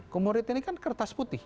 kumorid ini kan kertas putih